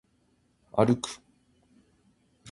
歩く